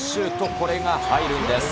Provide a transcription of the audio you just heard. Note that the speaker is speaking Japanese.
これが入るんです。